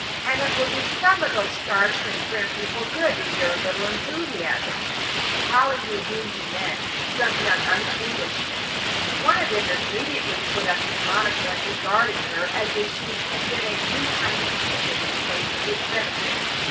And it will do some of those starched and prim people good to hear a little enthusiasm." Polly knew whom he meant, some young Englishmen. One of them immediately put up his monocle and regarded her as if she had been a new kind of creature displayed for his benefit.